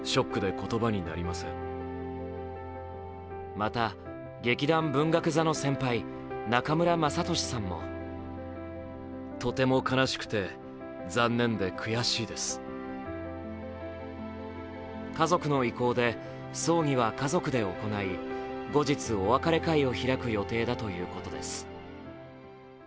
また、劇団文学座の先輩中村雅俊さんも家族の意向で、葬儀は家族で行い後日、お別れ会を開く予定だということです。